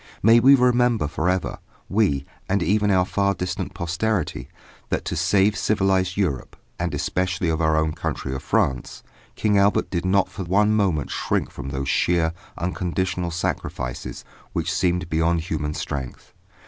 May we remember for ever, we, and even our far distant posterity, that to save civilised Europe, and especially our own country of France, King Albert did not for one moment shrink from those sheer, unconditional sacrifices which seemed beyond human strength.